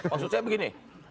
maksud saya begini